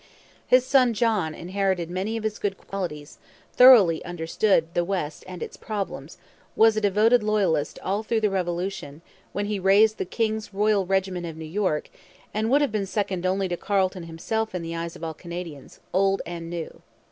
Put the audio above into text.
His son John inherited many of his good qualities, thoroughly understood the West and its problems, was a devoted Loyalist all through the Revolution, when he raised the King's Royal Regiment of New York, and would have been second only to Carleton himself in the eyes of all Canadians, old and new.